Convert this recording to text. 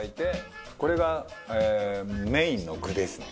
これがメインの具ですね。